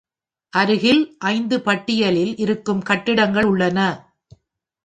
அருகில் ஐந்து பட்டியலில் இருக்கும் கட்டிடங்கள் உள்ளன.